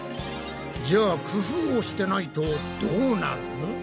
じゃあ工夫をしてないとどうなる？